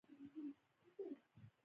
• زوی د مور امید وي.